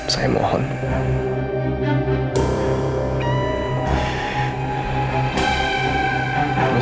saya mau berubah